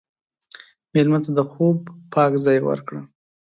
مېلمه ته د خوب پاک ځای ورکړه.